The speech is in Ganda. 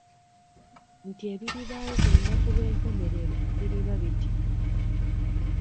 Nti ebiribaawo ku lunaku lw'enkomerero biriba biti